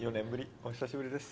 お久しぶりです。